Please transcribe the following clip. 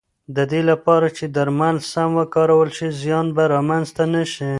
د دې لپاره چې درمل سم وکارول شي، زیان به رامنځته نه شي.